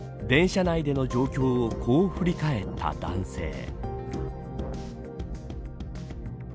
電車内での状況をこう振り返った男性。